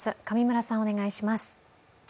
上村さん、お願いします。